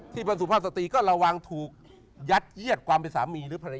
บรรสุภาพสตรีก็ระวังถูกยัดเยียดความเป็นสามีหรือภรรยา